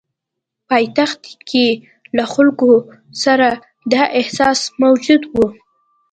پایتخت کې له خلکو سره دا احساس موجود وو.